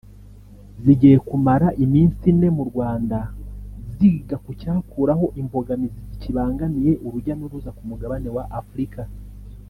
zigiye kumara iminsi ine mu Rwanda ziga ku cyakuraho imbogamizi zikibangamiye urujya n’uruza ku mugabane wa Afurika